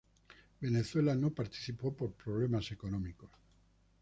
Venezuela no participó por problemas económicos.